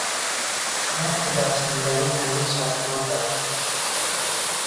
به رنگ که دست میزنی هنوز چسبناک است.